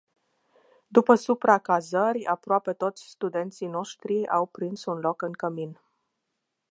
După supracazări, aproape toți studenții noștri au prins un loc în cămin.